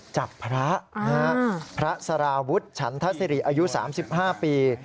จับพระพระสารวุฒิฉันทศิริอายุ๓๕ปี